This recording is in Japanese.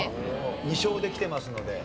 ２勝できてますので。